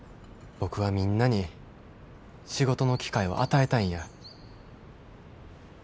僕はみんなに仕事の機会を与えたいんや。